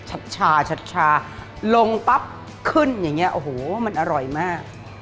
ชาชัดชาลงปั๊บขึ้นอย่างนี้โอ้โหมันอร่อยมาก